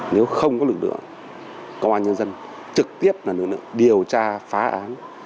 nếu không có lực lượng công an nhân dân trực tiếp là lực lượng điều tra phá án